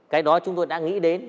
cái đó chúng tôi đã nghĩ đến